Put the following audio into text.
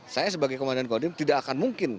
saya sebagai komandan kodim tidak akan mungkin